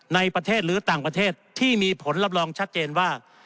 ในประเทศหรือต่างประเทศที่มีผลรับรองชัดเจนว่า